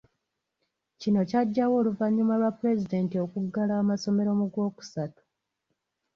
Kino kyajjawo oluvannyuma lwa Pulezidenti okuggala amasomero mu Gwokusatu.